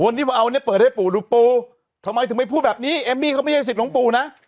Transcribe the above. วันนี้มาเอาเนี่ยเปิดให้ปู่ดูปูทำไมถึงไม่พูดแบบนี้เอมมี่เขาไม่ใช่สิทธิ์หลวงปู่นะ